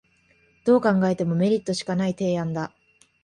どう考えてもメリットしかない提案だ